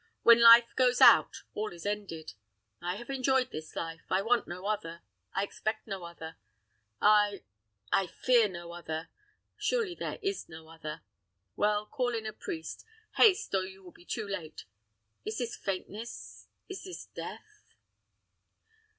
When life goes out, all is ended. I have enjoyed this life. I want no other; I expect no other I I fear no other surely there is no other. Well, call in a priest haste, or you will be too late is this faintness is this death?"